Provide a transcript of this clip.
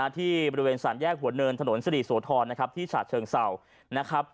ที่บริเวณสรรแยกหัวเนินถนนศรีสวทรนะครับที่ชาติเชิงเสาร์นะครับ